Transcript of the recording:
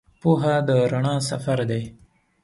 پوهه د رڼا سفر دی.